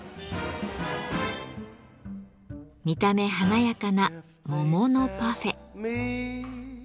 見た目華やかな桃のパフェ。